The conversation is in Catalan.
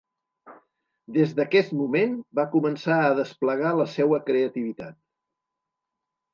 Des d'aquest moment va començar a desplegar la seua creativitat.